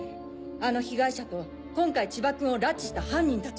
あの被害者と今回千葉君を拉致した犯人たちは。